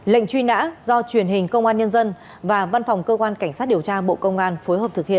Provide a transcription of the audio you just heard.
lệnh truy nã do truyền hình công an nhân dân và văn phòng cơ quan cảnh sát điều tra bộ công an phối hợp thực hiện